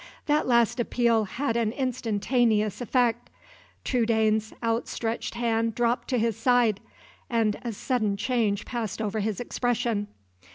That last appeal had an instantaneous effect. Trudaine's outstretched hand dropped to his side, and a sudden change passed over his expression.